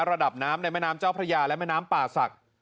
ระดับน้ำในแม่น้ำเจ้าพระยาและแม่น้ำป่าศักดิ์